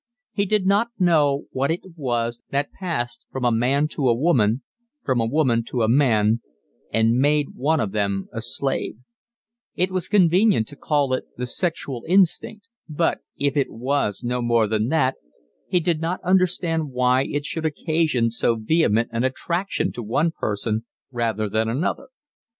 He did not know what it was that passed from a man to a woman, from a woman to a man, and made one of them a slave: it was convenient to call it the sexual instinct; but if it was no more than that, he did not understand why it should occasion so vehement an attraction to one person rather than another.